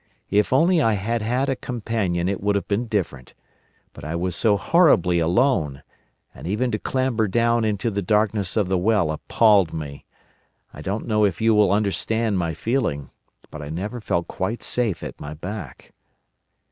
If only I had had a companion it would have been different. But I was so horribly alone, and even to clamber down into the darkness of the well appalled me. I don't know if you will understand my feeling, but I never felt quite safe at my back.